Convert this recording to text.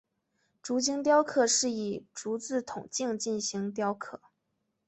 竹青雕刻是以竹子筒茎进行雕刻。